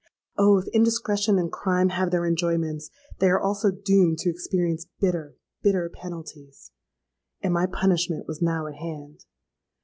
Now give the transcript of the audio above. Oh! if indiscretion and crime have their enjoyments, they are also doomed to experience bitter—bitter penalties. And my punishment was now at hand.